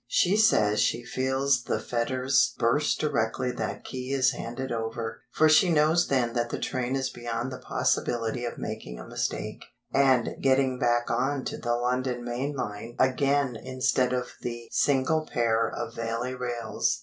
She says she feels the fetters burst directly that key is handed over, for she knows then that the train is beyond the possibility of making a mistake, and getting back on to the London main line again instead of the single pair of Valley rails.